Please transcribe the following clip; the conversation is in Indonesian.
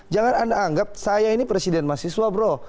jangan anda anggap saya ini presiden mahasiswa bro